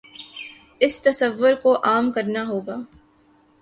اس تصور کو عام کرنا ہو گا۔